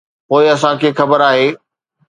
پوء اسان کي خبر آهي.